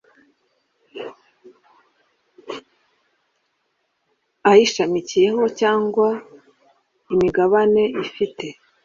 ayishamikiyeho cyangwa imigabane ifite